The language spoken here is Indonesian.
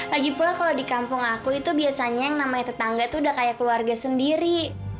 lagi pula kalau di kampung aku itu biasanya yang namanya tetangga tuh udah kayak keluarga sendiri